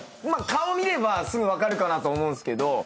顔見ればすぐ分かるかなと思うんすけど。